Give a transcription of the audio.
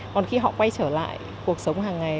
còn khi họ quay trở lại cuộc sống hàng ngày